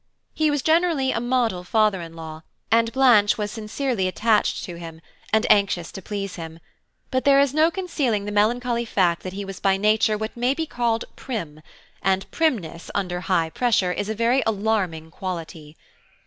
He was generally a model father in law, and Blanche was sincerely attached to him, and anxious to please him; but there is no concealing the melancholy fact that he was by nature what may be called prim, and primness under high pressure is a very alarming quality.